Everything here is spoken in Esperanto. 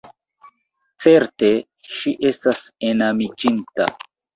Certe ŝi estas enamiĝinta.